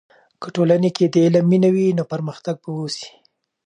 که ټولنې کې د علم مینه وي، نو پرمختګ به وسي.